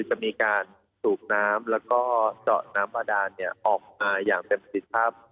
จะมีการสูบน้ำแล้วก็เจาะน้ำบาดานออกมาอย่างเต็มสิทธิภาพ